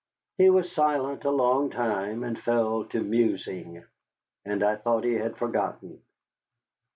He was silent a long time, and fell to musing. And I thought he had forgotten.